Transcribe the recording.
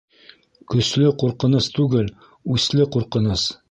Көслө ҡурҡыныс түгел, үсле ҡурҡыныс.